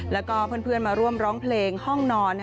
แล้วก็เพื่อนมาร่วมร้องเพลงห้องนอน